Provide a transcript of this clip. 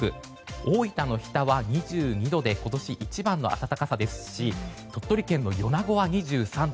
大分の日田は２２度で今年一番の暖かさですし鳥取県の米子は２３度。